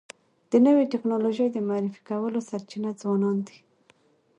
د نوي ټکنالوژۍ د معرفي کولو سرچینه ځوانان دي.